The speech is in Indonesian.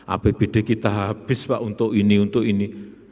apbd kita habis pak untuk ini untuk ini